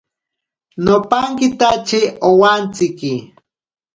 Nopankitatye owantsiki.